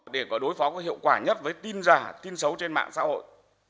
để có đối phó có hiệu quả nhất với tin giả tin xấu trên mạng xã hội